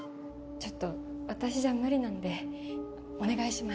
ちょっと私じゃ無理なんでお願いします。